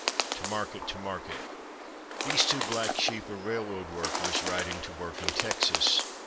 TO MARKET, TO MARKET These two black sheep are railroad workers riding to work in Texas.